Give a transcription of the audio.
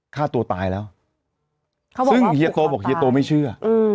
ฆ่าตัวตายแล้วซึ่งเฮียโตบอกเฮียโตไม่เชื่อ